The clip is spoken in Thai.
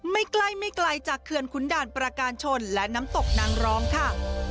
ไม่ไกลจากเคือนคุณด่านประกาศชนและน้ำตกนางร้องค่ะ